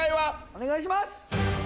お願いします！